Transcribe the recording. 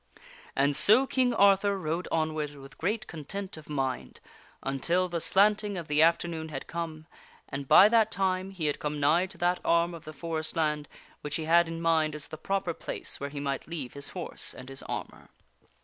And so King Arthur rode onward with great content of mind until the slanting of the afternoon had come, and by that time he had come nigh to that arm of the forest land which he had in mind as the proper place where he might leave his horse and his armor.